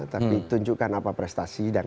tapi tunjukkan apa prestasi dan